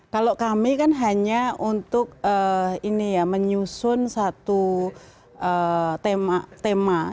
kalau kami kan hanya untuk menyusun satu tema